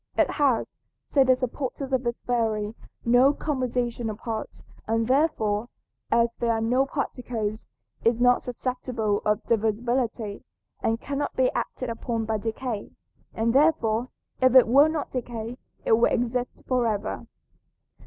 It has (say the supporters of this theory) no composition of parts, and therefore, as there are no particles, is not susceptible of divisibility and cannot be acted upon by decay, and therefore if it will not decay it will exist forever.